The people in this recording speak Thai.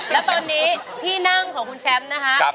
และตอนนี้ที่นั่งของคุณแชมป์นะคะ